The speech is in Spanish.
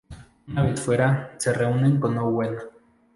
Una vez fuera, se reúnen con Owen.